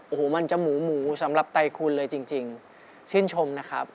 โอ้โหมันจะหมูหมูสำหรับไตคุณเลยจริงชื่นชมนะครับ